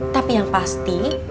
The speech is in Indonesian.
tapi yang pasti